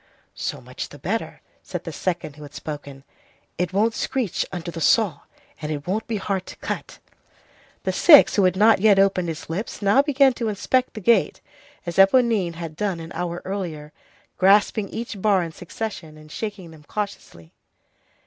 "So much the better," said the second who had spoken. "It won't screech under the saw, and it won't be hard to cut." The sixth, who had not yet opened his lips, now began to inspect the gate, as Éponine had done an hour earlier, grasping each bar in succession, and shaking them cautiously.